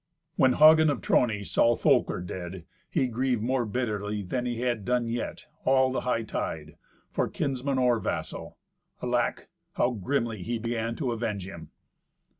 When Hagen of Trony saw Folker dead, he grieved more bitterly than he had done yet, all the hightide, for kinsman or vassal. Alack! how grimly he began to avenge him!